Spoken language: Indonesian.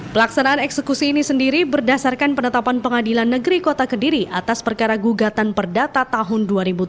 pelaksanaan eksekusi ini sendiri berdasarkan penetapan pengadilan negeri kota kediri atas perkara gugatan perdata tahun dua ribu tujuh belas